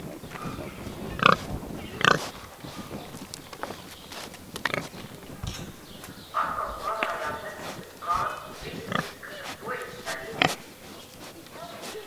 Atkal parādās nepilsoņu kārts un viss cits, kas ar to ir saistīts.